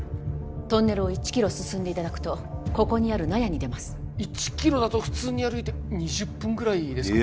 トンネルを１キロ進んでいただくとここにある納屋に出ます１キロだと普通に歩いて２０分ぐらいですかね